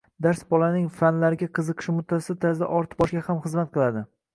dars bolaning fanlarga qiziqishi muttasil tarzda ortib borishiga ham xizmat qiladi.